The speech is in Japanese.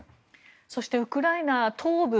そして、ウクライナ東部